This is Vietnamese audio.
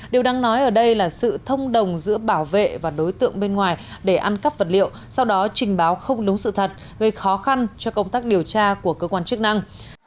điều đáng nói ở đây là sự thông đồng giữa bảo vệ và đối tượng bên ngoài để ăn cắp vật liệu sau đó trình báo không đúng sự thật gây khó khăn cho công tác điều tra của cơ quan chức năng